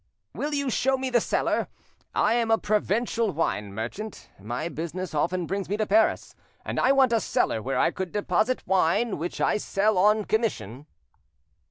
"Will you show me the cellar? I am a provincial wine merchant, my business often brings me to Paris, and I want a cellar where I could deposit wine which I sell on commission."